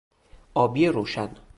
آبی روشن